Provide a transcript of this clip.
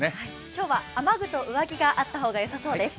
今日は雨具と上着があった方がよさそうです。